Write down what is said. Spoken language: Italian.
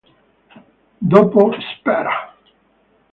Dopo "Spera!